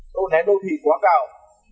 độ nén đô thị quá cao